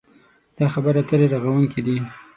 دا خبرې اترې رغوونکې دي.